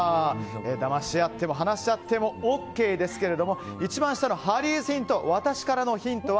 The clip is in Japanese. だまし合っても話し合ってもＯＫですが一番下のハリーズヒント。